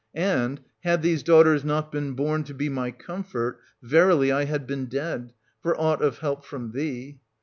And, had these daughters not been born to be my comfort, verily I had been dead, for aught of help from thee.